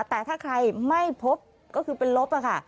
แต่ถ้าใครไม่พบก็คือเป็นลบค่ะ